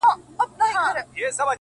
دغه خبرې کړه! نور بس راپسې وبه ژاړې!